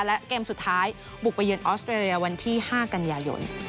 และเกมสุดท้ายบุกไปเยือนออสเตรเลียวันที่๕กันยายน